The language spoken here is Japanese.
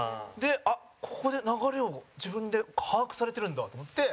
ここで流れを、自分で把握されてるんだと思って。